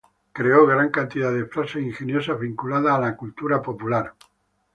Creó gran cantidad de frases ingeniosas vinculadas a la cultura popular.